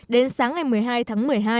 đến sáng ngày một mươi hai tháng một mươi hai